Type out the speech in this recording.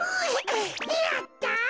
やった！